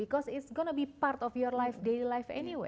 karena itu akan menjadi bagian dari hidupmu hidup seharian